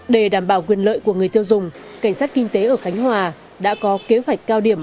để đảm bảo quyền lợi của người tiêu dùng cảnh sát kinh tế ở khánh hòa đã có kế hoạch cao điểm